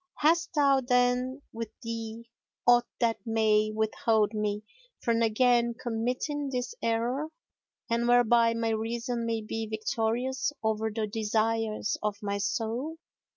Hast thou then with thee aught that may withhold me from again committing this error and whereby my reason may be victorious over the desires of my soul?"